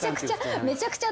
めちゃくちゃ私